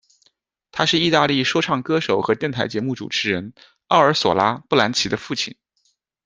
他是意大利说唱歌手和电台节目主持人奥尔索拉·布兰齐的父亲。